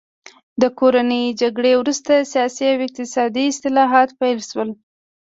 د کورنۍ جګړې وروسته سیاسي او اقتصادي اصلاحات پیل شول.